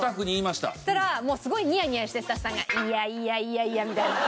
そしたらもうすごいニヤニヤしてスタッフさんが「いやいやいやいや」みたいな。